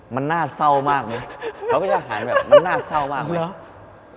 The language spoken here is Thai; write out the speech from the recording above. มันน่าเศร้ามากมั้ยเขาก็จะหาแบบมันน่าเศร้ามากมั้ย